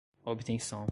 obtenção